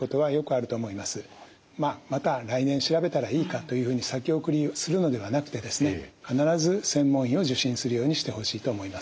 まあまた来年調べたらいいかというふうに先送りするのではなくて必ず専門医を受診するようにしてほしいと思います。